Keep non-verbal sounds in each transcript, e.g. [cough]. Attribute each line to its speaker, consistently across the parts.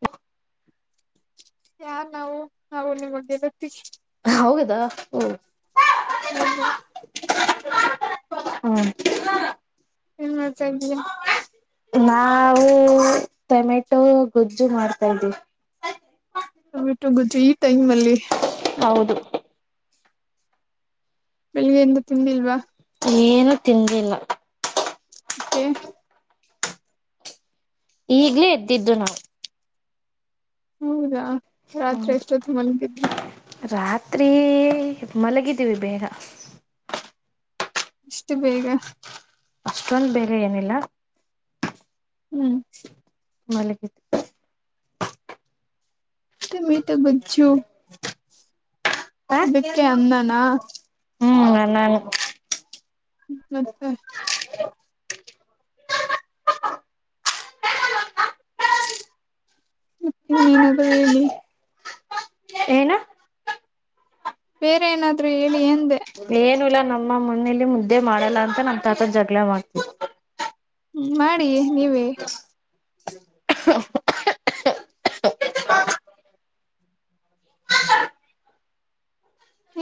Speaker 1: ಹ
Speaker 2: ಯ ನಾವು ನಾವು ಮಂದರ
Speaker 1: ಹೋಗದಾ ಹ
Speaker 2: ಹೌದು
Speaker 1: ಹಾ
Speaker 2: ಹತಾಗ
Speaker 1: ನಾವು ಟೊಮೆಟೊ ಗೊಜ್ಜು ಮಾಡ್ತಾ್ದೀವಿ
Speaker 2: ತಮಟು ಗುಜ ಈಟೈ ಮಲ್ಲಿ
Speaker 1: ಹೌದು
Speaker 2: ಬೆಳಿಗ್ಗೆಯಿಂದ ತಿಂದಿಲ್ವಾ
Speaker 1: ಏನು ತಿಂದಿಲ್ಲ
Speaker 2: ಓಕೆ
Speaker 1: ಈಗ್ಲೇ ಎದ್ದಿದ್ದು ನಾ
Speaker 2: ಹೌದಾ ರಾತ್ರಿ
Speaker 1: ಹೌದು
Speaker 2: ಎಷ್ಟೊತ್ತುು ಮನಗಿದ್್ರ
Speaker 1: ರಾತ್ರಿ ಮಲಗಿದ್ದೀವಿ ಬೇಗ
Speaker 2: ಎಷ್ಟು ಬೇಗ
Speaker 1: ಅಷ್ಟೊಂದು ಬೇಗ ಏನಿಲ್ಲ
Speaker 2: ಹ್ಮ್
Speaker 1: ಮಲ್ಲಿಗತ್ತು
Speaker 2: ತ ಮ ತ ಬುದು
Speaker 1: ಹ
Speaker 2: ಅನ್ನನಾ
Speaker 1: ಹ್ಮ್ ನ ನಾನು
Speaker 2: ಮತ್ತೆ ಮತ್ತ ಮೇ ನದರಲ್ಲಿ
Speaker 1: ಏನಾ
Speaker 2: ಬೇರೆ ಏನಾದ್ರು ಹೇಳಿ ಎಂದೆ
Speaker 1: ಏನು ಇಲ್ಲ ನಮ್ಮ ಮನೇಲಿ ಮುದ್ದೆ ಮಾಡಲ್ಲ ಅಂತ ನನ್ ತಾತದ ಜಗ್ಗಳ ಮಾಡ್ತವಿ
Speaker 2: ಹ್ಮ ಮಾಡಿ ನೀವೇ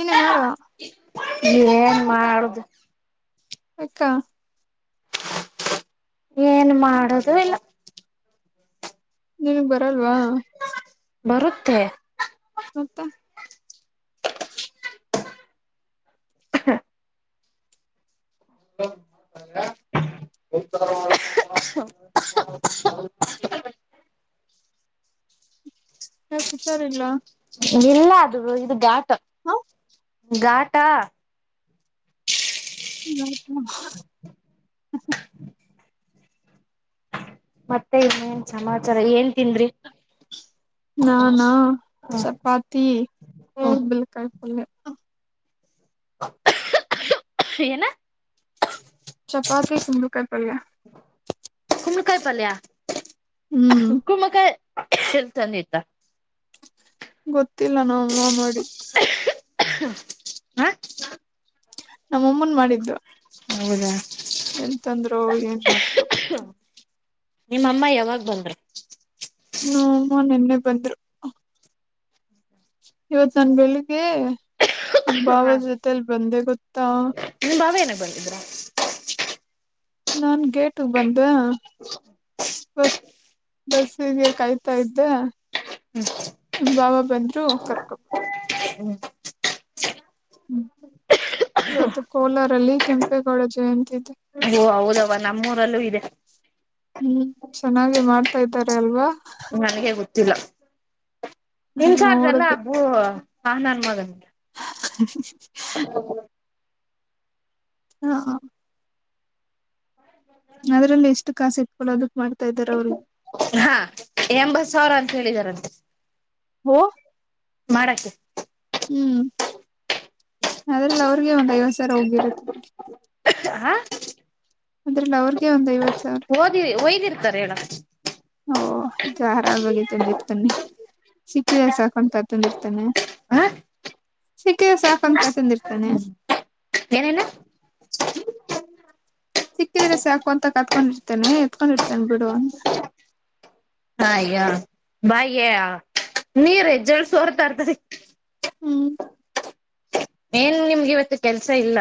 Speaker 2: ಏನ ಮಾಡುವ
Speaker 1: ನೀ ಏನ್ ಮಾಡುದು
Speaker 2: ಅಕ್ಕಾ
Speaker 1: ಏನ್ ಮಾಡದು ಇಲ್ಲ
Speaker 2: ನನ್ಗ್ ಬರಲ್ವಾ
Speaker 1: ಬರುತ್ತೆ
Speaker 2: ಮತ್ತ
Speaker 1: ಹತ [inaudible]
Speaker 2: ಹಾ ಹುಷಾರಿಲ್ಲ
Speaker 1: ಇಲ್ಲ ಅದು ಇದು ಾಟ
Speaker 2: ಹಾ
Speaker 1: ಗಘಾಟಾ
Speaker 2: ಹ [inaudible]
Speaker 1: ಮತ್ತೆ ಇನ್ನೇನ್ ಸಮಾಚಾರ ಏನ್ ತಿಂದ್ರಿ
Speaker 2: ನಾಾನಾ ಚಪಾತಿ ಹ
Speaker 1: ಹ್ಮ
Speaker 2: ಬಲ್ಕಲ್
Speaker 1: ಏನ
Speaker 2: ಚಪಾ ಸಿಧೂಕ ಪ
Speaker 1: ಕುಮ್ರಕಾಯ ಪಲ್
Speaker 2: ಹ್ಮ್
Speaker 1: ಕುಮಕಾಯ ಶಿಲ್ತ ನೀತಾ
Speaker 2: ಗೊತ್ತಿಲ್ಲ ನಮ್ಮಮ್ಮ ಮಾಡಿದ್
Speaker 1: ಹ [inaudible]
Speaker 2: ನಮ್ಮಮ್ಮನ್ ಮಾಡಿದ್ರು
Speaker 1: ಹೌದಾ
Speaker 2: ಎಂತಂದ್ರು ಏನ್ ನೋಡಿದ್ರ ಗೊತ್ತ
Speaker 1: ನಿಮ್ಮ ಅಮ್ಮ ಯಾವಾಗ ಬಂದ್ರ
Speaker 2: ಹ್ಮ ನಿನ್ನೆ ಬಂದ್ರು ಇವತ್ ನನ್ ಬೆಳಿಗ್ಗೆ
Speaker 1: ಹಾ
Speaker 2: ಬಾಬಸತೆಲ್ ಬಂದೆ ಕುತ್ತಾ
Speaker 1: ನಿಮ್ ಬಾವ ಏನಕ್ ಬಂದಿದ್ರ
Speaker 2: ನಾನ್ ಗೇಟು ಬಂದ
Speaker 1: [inaudible]
Speaker 2: ಬಸ್ ಬಸ್ಸಿಗೆ ಕಾಯ್ತಾ ಇದ್ದೆ
Speaker 1: ಹ್ಮ [inaudible]
Speaker 2: ನಮ್ ಬಾವ ಬಂದ್ರು ಕರ್ಕೊಡ್ ಹ್ಮ್ ಇವತ್ತು ಕೋಲಾರಲ್ಲಿ ಕೆಂಪೇಗೌಡ ಜಯಂತಿ ಇದೆ
Speaker 1: ಓ ಹೌದವ ನಮ್ಮೂರಲ್ಲೂ ಇದೆ
Speaker 2: ಹ್ಮ್ ಚೆನ್ನಾಗಿ ಮಾಡ್ತಾ ಇದ್ದಾರೆ ಅಲ್ವಾ
Speaker 1: ಇಲ್ಲ
Speaker 2: ನಾನ್
Speaker 1: ಇಂಚಾರ್ಜ್ ಎಲ್ಲ
Speaker 2: ನೋಡ್ದೆ
Speaker 1: ಭೂ ಆಹನ ಮಗನ್
Speaker 2: [inaudible] ಹಾ ಹಾ ಒನ್ ಒಂದು ಕೆ ಮಾಡ
Speaker 1: ಹಾ ಎಂಬತ್ ಸಾವಿರ ಅಂತ ಹೇಳಿದಾರಂತೆ
Speaker 2: ಓ
Speaker 1: ಮಾಡಾಕೆ
Speaker 2: ಹ್ಮ್ ಅದ್ರಲ್ಲಿ ಅವ್ರಿಗೆ ಒಂದ್ ಐವತ್ತು ಸಾವಿರ ಹೋಗಿರುತ್ತದೆ
Speaker 1: ಹ
Speaker 2: ಅದ್ರಲ್ಲ ಅವರ್ಗೆ ಒಂದ್ ಐವತ್ ಸಾವಿರ
Speaker 1: ಹೇಗಿರ್ತಾರ ಹೇಳ
Speaker 2: ಓ ಧಾರಾಳವಾಗಿ ಬಗ್ಗೆ ತಿಂದಿರ್ತನಿ ಸಿಕ್ಕಿದ ಸಕು ಅಂತತ್ತಂದರ್ತೇನ
Speaker 1: ಹ
Speaker 2: ಅ ಸಾಕಂತಂತ ತಂದಿರ್ತಾನೆ
Speaker 1: ಏನೇನ
Speaker 2: ಸಿಕ್ಕಿದ್ರ ಸಾಕು ಅಂತ ಕತ್ಕೊಂಡಿರ್ತೇನೆ ಎತ್ಕೊಂಡಿರ್ತೇನೆ ಬಿಡು ಅಂತ
Speaker 1: ಹಯ್ಯ ಬಾಯ್ಯ ನೀರೆಜಲ್ಸ್ ಹೊರ್ತರ್ತರಿ
Speaker 2: ಹ್ಮ್
Speaker 1: ಏನ್ ನಿಮ್ಗೆ ಇವತ್ತು ಕೆಲ್ಸ ಇಲ್ಲ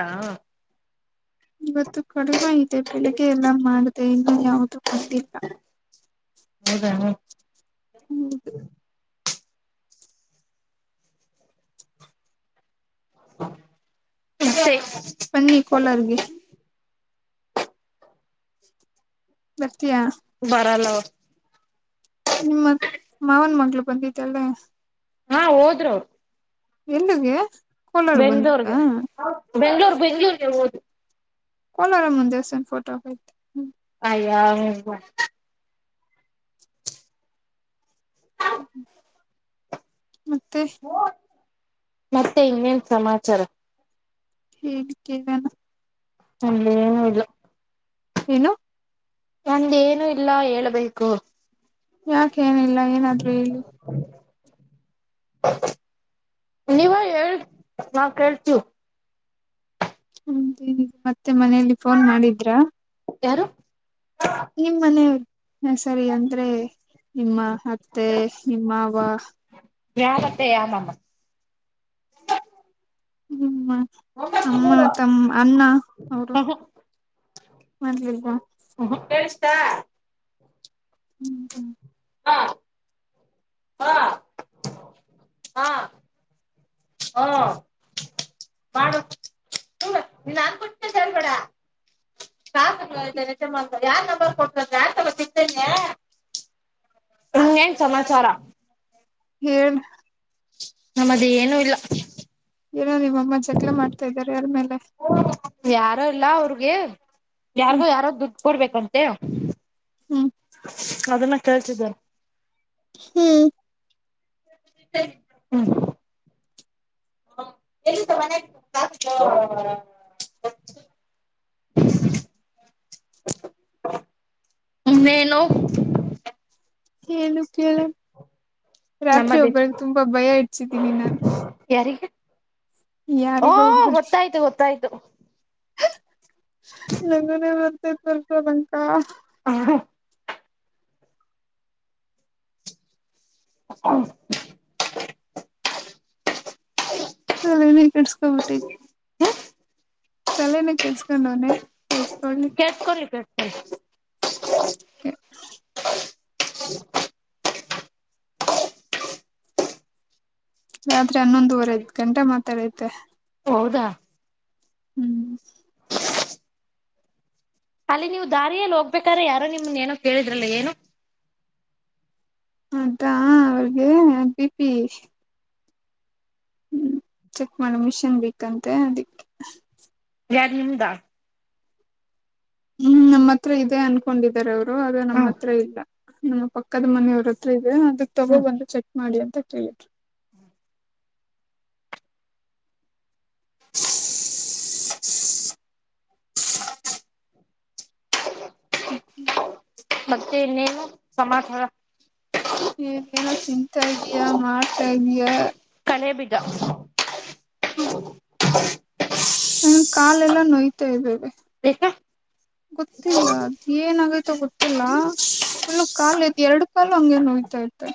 Speaker 2: ಇವತ್ತು ಕಡಿಮೆ ಇದೆ ಬೆಳಗ್ಗೆ ಎಲ್ಲ ಮಾಡದೆ ಇನ್ನೂ ಯಾವುದೂ ಬಂದಿಲ್ಲ
Speaker 1: ಹೌದಾ ಹ ಹತ್ತೆ [unintelligible]
Speaker 2: ಬನ್ನಿ ಕೋಲಾರಗೆ ಬರ್ತಿಯಾ
Speaker 1: ಬರಲ್ಲ
Speaker 2: ನಿಮ್ಮತ್ ಮಾವನ ಮಗಳು ಬಂದಿದ್ದಲ್ಲ
Speaker 1: ಹಾ ಹೋದ್ರ ಅವರು
Speaker 2: ಎಲ್ಲಿಗೆ ಕೋಲಾರ್ ಬಂದಿತ್ತ
Speaker 1: ಬೆಂಗಳೂರು ಬೆಂಗಳೂರು ಗೆ ಹೋದರು
Speaker 2: ಕೋಲಾರಮ್ಮನ್ ದೇವಸ್ಥಾನ ಫೋಟೋ ಹಾಕು
Speaker 1: ಅದಕ್ಕೆ [inaudible] ಹ್ಮ
Speaker 2: ಹ್ಮ ಮತ್ತೆ
Speaker 1: ಮತ್ತೆ ಇನ್ನೇನ್ ಸಮಾಚಾರ
Speaker 2: ಹೇಳಿ ಕೇಳನ
Speaker 1: ಇನ್ನೇನು ಇಲ್ಲ
Speaker 2: ಏನು
Speaker 1: ನಂದೇಏನು ಇಲ್ಲ ಹೇಳ್ಬೇಕು
Speaker 2: ಯಾಕ ಏನಿಲ್ಲ ಏನಾದ್ರೂ ಹೆಳ್ಳಿ
Speaker 1: ನೀವ ಹೇಳ್ ನಾ ಕೇಳ್ತು [inaudible]
Speaker 2: ಅತ್ತೆ ಮನೆಯಲ್ಲಿ ಫೋನ್ ಮಾಡಿದ್ರಾ
Speaker 1: ಯಾರು
Speaker 2: ನಿಮ್ಮ್ ಮನೆ ಹ ಸರಿ ಅಂದ್ರೆ ನಿಮ್ಮ ಅತ್ತೆ ನಿಮ್ಮವ
Speaker 1: ಯಾರತ್ತೆ ಯಾವ ಮಾವ
Speaker 2: ಹ್ಮ ಅಮ್ಮ ತಮ್ಮ ಅಣ್ಣ ಅವರು ಮಾಡದಲಲ್ವಾ [unintelligible]
Speaker 1: ಚಾ [inaudible]
Speaker 2: ಹ್ಮ್ ಹಾ [unintelligible]
Speaker 1: ಹ ಹಾ ಹ್ಮ ಮಾಡು ಹ ನೀನ್ ಅನ್ಕಟ್ಟನ್ಬಡ [inaudible] ಕಾ ನಿಜ ಯಾರಾರ್ ನಂಬರ್ ಕೊಟ್ಟನ್ ಯ ತಗ ತತೇನೆನೆ ಹ್ ಏನ್ ಸಮಾಚಾರ
Speaker 2: ೇಳ್
Speaker 1: ನಮ್ಮದ ಏನು ಇಲ್ಲ
Speaker 2: ನಿಮ್ಮಮ್ಮ ಜಗ್ಲ ಮಾಡ್ತಾ ಇದಾರೆ ಅದ್ಮೇಲೆ
Speaker 1: ಯಾರೋ ಇಲ್ಲ ಅವ್ರಿಗೆ
Speaker 2: ಹ್ಮ್
Speaker 1: ಯಾರ್ಗೋ ಯಾರ ದುಡ್ ಕೊಡ್ಬೇಕಂತೆ
Speaker 2: ಹ್ಮ್
Speaker 1: ಅದನ್ನ ಕೇಳ್ತಿದಿದ್ದಾರೆ
Speaker 2: ಹ್ಮ್
Speaker 1: ಹ್ಮ [inaudible] ಲ್ಲಿ ಸಮ
Speaker 2: [inaudible]
Speaker 1: ನೇನು [inaudible]
Speaker 2: ಹೇಳನು ಕ ರಾತ್ರಿ
Speaker 1: ನಮ್ಮದೇ
Speaker 2: ಒಬರ್ ತುಂಬಾ ಭಯ ಇಡ್ಸಿದೀನಿ ನಾು
Speaker 1: ಯಾರಿಗೆ ಓ
Speaker 2: ಒಬ್ಬರಿಗೆ
Speaker 1: ಗೊತ್ತಾಯ್ತು ಗೊತ್ತಾಯ್ತು
Speaker 2: ನಗನೇ ಬಂತ ಬರ್ಸಲಂಕ
Speaker 1: ಹ ಹ
Speaker 2: ತಲೇನೆ ನೀ ಕಡ್ಸ್ಕೊಬಿಟ್ಟ
Speaker 1: ಹ
Speaker 2: ತಲೆನ ಕೇಸ್ಕೊಂಡ್ ಅವ್ನನೆ ಕ
Speaker 1: ಕೆಸ್ಕೊಂಡಿ ಕೆಸ್ಕಿ
Speaker 2: ಕ [inaudible]
Speaker 1: [unintelligible]
Speaker 2: ರಾತ್ರಿ ಹನ್ನೊಂದುವರೆ ಐ ಗಂಟೆ ಮಾತಾಡೈತೆ
Speaker 1: ಹೌದಾ
Speaker 2: ಹ್ಮ್
Speaker 1: ಅಲ್ಲಿ ನೀವ್ ದಾರಿಯಲ್ಲಿ ಹೋಗ್ಬೇಕ್ರ ಯಾರೋ ನಿಮನ್ ಏನೋ ಕೇಳಿದ್ರಲ್ಲ ಏನು
Speaker 2: ಅದಾ ಅವ್ರಿಗೆ ಬಿ ಪಿ ಹ್ಮ್ ಚೆಕ್ ಮಾಡು ಮಿಷನ್ ಬೇಕಂತೆ ಅದಿಕ್ಕೆ
Speaker 1: ಯಾರಿಂದಾ
Speaker 2: ಹ್ಮ್ ನಮ್ಮ ಹತ್ರ ಇದೆ ಅನ್ಕೊಂಡಿದಿದ್ದಾರೆ ಅವರು ಅದು ನಮ್ಮ
Speaker 1: ಹ್ಮ್
Speaker 2: ಹತ್ರ ಇಲ್ಲ ನಮ್ಮ ಪಕ್ಕದ ಮನೆಯವ್ರ ಹತ್ರ ಇದೆ ಅದಕ್ ತಗೋ
Speaker 1: ಹ್ಮ್
Speaker 2: ಬಂದು ಚೆಕ್ ಮಾಡಿ ಅಂತ ಕೇಳಿದ್ರು
Speaker 1: [inaudible]
Speaker 2: ಹ್ಮ್ [unintelligible]
Speaker 1: ಮತ್ತೆ ಇನ್ನೇನು ಸಮಾಚಾರ
Speaker 2: ನೀಗೇನೋ ತಿಂತಾ ಇದಯ ಮಾಡ್ತಾ ಇದಯ
Speaker 1: ಮನೆೆಯ ಬಗ
Speaker 2: ನನ್ ಕಾಲೆಲ್ಲ ನೋಯ್ತಾ ಇದ್ದೇವೆ
Speaker 1: ಅದಕ್ಕೆ
Speaker 2: ಗೊತ್ತಿಲ್ಲ ಅದ ಏನಾಗ ಗೊತ್ತಿಲ್ಲ ಫುಲ್ ಕಾ ಎರಡ್ ಕಾಲು ಹಂಗಗೆ ನೋಯತಾ ಇತೆ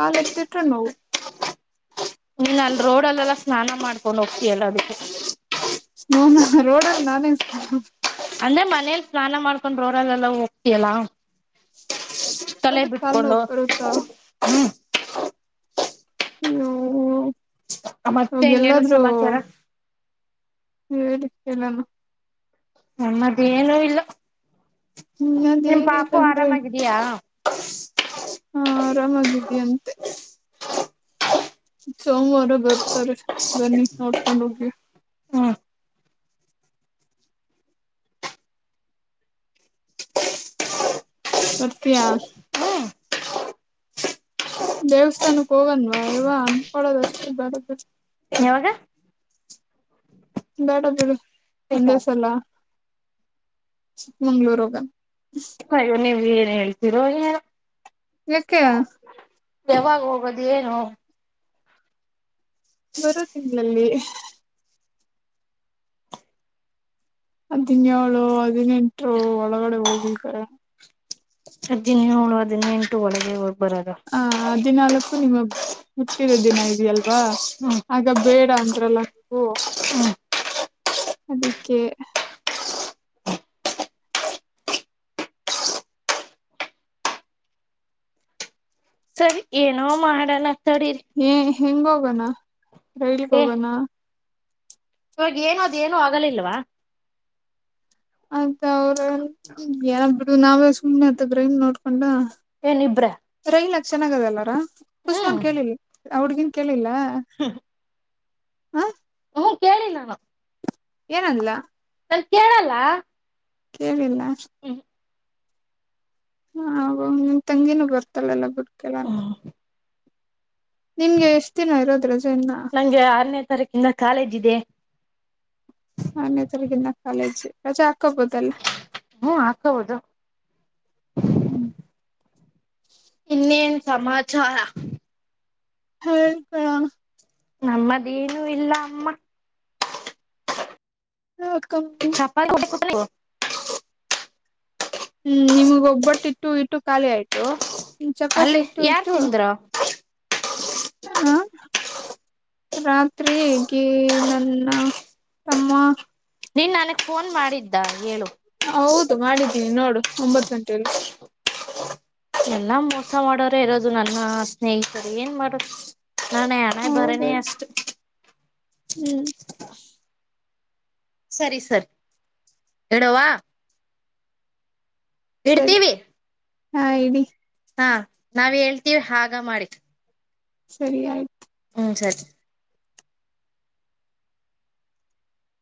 Speaker 2: ಕಾಲ ತತ್ರ ನೋವು
Speaker 1: ನೀನ್ ಅಲ್ಲಿ ರೋಡಲ್ಲೆಲ್ಲ ಸ್ನಾನ ಮಾಡ್ಕೊಂಡು ಹೋಗ್ತಯಲ್ಲ ಅದಕ್ಕೆ
Speaker 2: ನೋನಾ ರೋಡಲ್ಲಿ ಸನಾ ಮಾಡ
Speaker 1: ಹಕೊಂಡ್ ೋರಲ್ಲೆಲ್ಲ ಹೋಗ್ತಿಯಲ್ಲ ತಲೆ
Speaker 2: ಅದಕ್ ಕಾಲ್ ನೋವು
Speaker 1: ಬಿಟ್ಕೊಂಡು
Speaker 2: ಬರುತ್ತಾ ಹ
Speaker 1: ಮತ್ತೆ
Speaker 2: ಅವಾಗ
Speaker 1: ಇನ್ನೇನು
Speaker 2: ಎಲ್ಲಾದ್ರೂ
Speaker 1: ಸಮಾಚಾರ
Speaker 2: ಹ ಹೇಳ ಎಲ್ಲಾನ
Speaker 1: ನಮ್ಮದೇಏನು ಇಲ್ಲ ನಿಮ
Speaker 2: ಇನ್ನದೇನಿಲ್ಲ
Speaker 1: ಪಾಪು ಆರಾಮಾಗಿದಿಯಾ [inaudible]
Speaker 2: ಹಾ ಆರಾಮಾಗಿದ್ದೀ ಅಂತೆ ಸೋಮವಾರ ಬರ್ತಾರೆ ಬನ್ನಿ ನೋಡ್ಕೊಂಡ ಹೋಗಿ
Speaker 1: ಹ್ಮ್
Speaker 2: ಬರ್ತೀಯಾ
Speaker 1: ಹ್ಮ್
Speaker 2: ದೇವಸ್ಥಾನಕ್ಕೆ ಹೋಗನ್ವಾ ಇವ ಅಂಕೋಲಾಡಡೋದ ಅಷ್ಟೇ ಬಡ
Speaker 1: ಯಾವಾಗ
Speaker 2: ಬೇಡ ಬಿೇಡು ಒಂದೇ ಸಲ ಚಿಕ್ಕಮಂಗಳೂರಗೂಗನ
Speaker 1: ಅಯ್ಯೋ ನೀವ ಏನ್ ಹೇಳ್ತೀರೋ ಏ
Speaker 2: ಯಕ
Speaker 1: ಯಾವಾಗ ಹೋಗೋದು ಏನು
Speaker 2: ಬಾರೋ ತಿಂಗಳಲಿ ಹದಿನೇಳಳು ಹದಿನೆಂಟರು ಒಳಗಡೆ ಹೋಗ್
Speaker 1: ಅದ್ನ ನೀ ಹಳು ಅದನ್ನ ಎಂಟು ಒಳಗೆ ಹು
Speaker 2: ಹ ಹದಿನಾಲ್ಕು ನಿಮ್ಮ ಹುಟ್ಟಿದ ದಿನ ಇದೆಯಲ್ವಾ
Speaker 1: ಹ್ಮ್
Speaker 2: ಆಗ ಬೇಡ ಅಂತಲ್ಲ
Speaker 1: ಹ್ಮ್
Speaker 2: ಅದಕ್ಕೆ
Speaker 1: ಸರಿ ಏನೋ ಮಾಡಣ
Speaker 2: ಹ ಹೆಂಗ ಹೋಗೋಣ ರೈಲ್ಗೆ
Speaker 1: ಏ
Speaker 2: ಹೋಗಣ
Speaker 1: ಇವಾಗ ಏನು ಅದೇನೋ ಆಗಲಿಲ್ವಾ
Speaker 2: ನೀವು ನಾವೇ ಸುಮ್ಮನೆ ಹತ್ತತದ್ರೀ ನೋಡ್ಕೊಂಡ
Speaker 1: ಏನಿಬ್ರ
Speaker 2: ರೈಲಾಕ್ ಚೆನ್ನಾಗದಲ್ಲಾರಾ ಉಸ್ಮಾನ್ ಕೇಳಿಲ್ಲ ಆ ಹೂಡ್ಗಿನ್ ಕೇಳಿಲ್ಲ
Speaker 1: ಹ [inaudible]
Speaker 2: ಹ
Speaker 1: ಹ್ಮ ಕೇಳಿ ನಾನು
Speaker 2: ಏನಲ್ಲ
Speaker 1: ನಾನ್ ಕೇಳಲ್ಲ
Speaker 2: ಏನಿಲ್ಲ
Speaker 1: ಹ್ಮ [inaudible]
Speaker 2: ಹ ನಿಮನ್ ತಂಗಿನೂ ಬರ್ತಾಳೆಲ್ಲ ನಿಮ್ಗೆ ಎಷ್ಟ್ ದಿನ ಇರೋದ್ ರಜೆ ಇನ್ನ
Speaker 1: [inaudible] ನಂಗೆ ಆರನೇ ತಾರೀಕಿಂದ ಕಾಲೇಜ್ ಇದೆ
Speaker 2: ನನೆೇ ತರಗಿಂದ ಕಾಲೇಜ್ ರಜೆ ಹಾಕೊಬೋದಲ್ಲ
Speaker 1: ಹ್ಮ್ ಹಾಕೋಬಹುದು
Speaker 2: ಹ್ಮ್
Speaker 1: ಇನ್ನೇನ್ ಸಮಾಚಾರ
Speaker 2: ಹ ಕಣ [inaudible]
Speaker 1: ನಮ್ಮದೇನುೂ ಇಲ್ಲ ಅಮ್ಮ
Speaker 2: [inaudible]
Speaker 1: ಹ [inaudible]
Speaker 2: ಹ್ಮ್ ನಿಮಗ್ ಒಬ್ಬಟ್ಟು ಇಟ್ಟು ಇಟ್ಟು ಖಾಲಿ ಆಯ್ತು ಚಪಾತಿ
Speaker 1: ಅಲ್ಲೇ
Speaker 2: ಇಟ್ಟು
Speaker 1: ಯಾರ್ ತಿಂದ್ರ
Speaker 2: ಹ್ಮ ರಾತ್ರಿಗೆ ನನ್ನ ತಮ್ಮ
Speaker 1: ನೀನ್ ನನಗ್ ಫೋನ್ ಮಾಡಿದ್ದ ಹೇಳು
Speaker 2: ಹೌದು ಮಾಡಿದ್ದೀನಿ ನೋಡು ಒಂಬತ್ ಗಂಟೆಯಲ್ಲಿ
Speaker 1: ಎಲ್ಲ ಮೋಸ ಮಾಡೋರ ಇರೋದು ನನ್ನ ಸ್ನೇಹಿತರು ಏನ್ ಮಾಡದು ನನ್ನ ಹಣೆ
Speaker 2: ಹೌದ
Speaker 1: ಬರನೇ ಅಷ್ಟು
Speaker 2: ಹ್ಮ್
Speaker 1: ಸರಿ ಸರ್ ಹೇಳವಾ
Speaker 2: ಸರಿ
Speaker 1: ಇಡ್ತೀವಿ
Speaker 2: ಹಾ ಇಡಿ
Speaker 1: ಹಾ ನಾವ್ ಹೇಳ್ತೀವಿ ಹಾಗ ಮಾಡಿ
Speaker 2: ಸರಿ ಆಯ್ತು
Speaker 1: ಹ್ಮ ಸರಿ